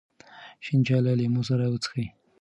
شین چای له لیمو سره وڅښئ.